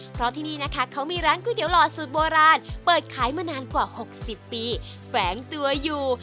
เพราะที่นี่นะคะเขามีร้านก๋วยเตี๋หล่อสูตรโบราณเปิดขายมานานกว่า๖๐ปีแฝงตัวอยู่